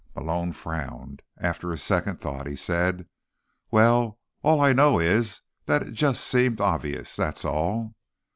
Malone frowned. After a second's thought he said, "Well.... All I know is that it just seemed obvious. That's all."